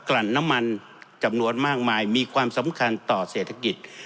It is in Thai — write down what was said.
ลั่นน้ำมันจำนวนมากมายมีความสำคัญต่อเศรษฐกิจ